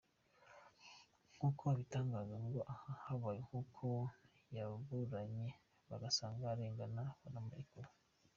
Nkuko abitangaza ngo aha habaye kuko yaburanye bagasanga arengana baramurekura.